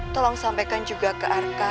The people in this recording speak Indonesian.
tolong sampaikan juga ke arka